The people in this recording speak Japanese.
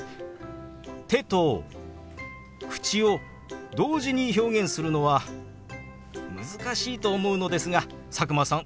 手と口を同時に表現するのは難しいと思うのですが佐久間さん